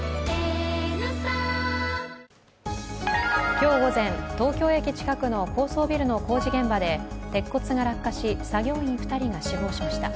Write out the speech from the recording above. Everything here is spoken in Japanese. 今日午前、東京駅近くの高層ビルの工事現場で鉄骨が落下し作業員２人が死亡しました。